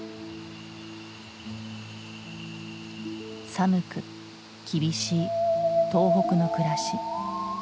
寒く厳しい東北の暮らし。